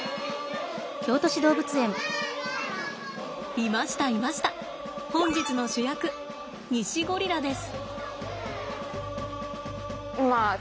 いましたいました本日の主役ニシゴリラです。